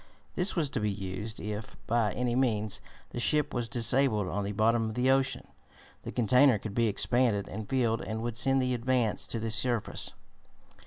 This was to be used if, by any means, the ship was disabled on the bottom of the ocean. The container could be expanded and filled, and would send the Advance to the surface.